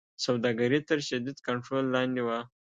سوداګري تر شدید کنټرول لاندې وه.